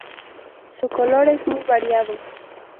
Su color es muy variado.